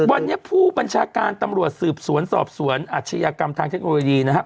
วันนี้ผู้บัญชาการตำรวจสืบสวนสอบสวนอาชญากรรมทางเทคโนโลยีนะครับ